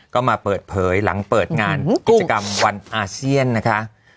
ก็มาเปิดเผยหลังเปิดงานกิจกรรมวันอาเซียนนะคะ